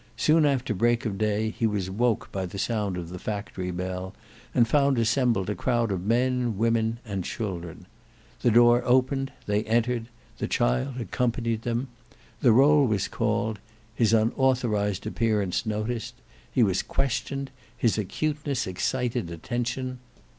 Soon after break of day, he was woke by the sound of the factory bell, and found assembled a crowd of men, women, and children. The door opened, they entered, the child accompanied them. The roll was called; his unauthorized appearance noticed; he was questioned; his acuteness excited attention.